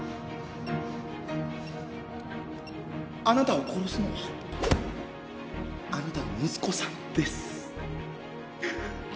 あなたを殺すのはあなたの息子さんです。